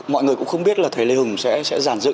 mọi người cũng không biết là thầy lê hùng sẽ giản dự